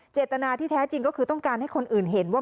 เจตนาที่แท้จริงก็คือต้องการให้คนอื่นเห็นว่า